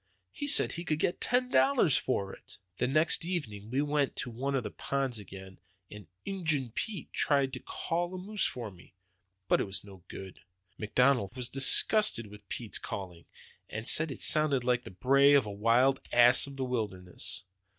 He said he could get ten dollars for it. The next evening we went to one of the ponds again, and Injun Pete tried to 'call' a moose for me. But it was no good. McDonald was disgusted with Pete's calling; said it sounded like the bray of a wild ass of the wilderness.